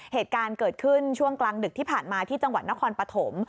เหตุการณ์เกิดขึ้นช่วงกลางดึกที่ผ่านมาที่จังหวัดนครปฐม